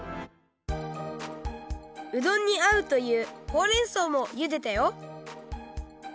うどんにあうというほうれんそうもゆでたよ